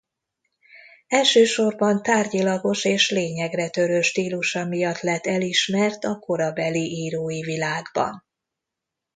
Elsősorban tárgyilagos és lényegre törő stílusa miatt lett elismert a korabeli írói világban.